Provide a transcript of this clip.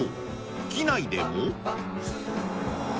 機内でも。